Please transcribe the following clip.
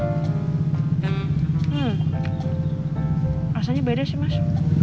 rasanya beda sih mas